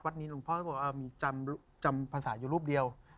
วัดนี้ทุกคนพบจำภาษาอยู่รูปเดียว